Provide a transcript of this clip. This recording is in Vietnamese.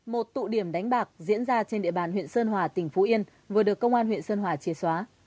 một tụ điểm đánh bạc diễn ra trên địa bàn huyện sơn hòa tỉnh phú yên vừa được công an huyện sơn hòa chia xóa